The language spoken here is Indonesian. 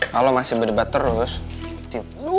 kalau masih berdebat terus tipu